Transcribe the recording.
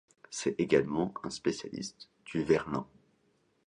C'est également un spécialiste du verlan.